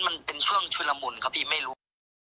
มันเป็นช่วงชุลมุนครับพี่ไม่รู้